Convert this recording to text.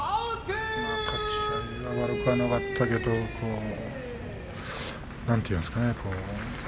立ち合いは悪くはなかったけどなんていうんですかね